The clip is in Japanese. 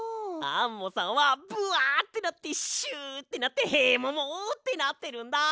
アンモさんはブワってなってシュってなってヘモモってなってるんだ！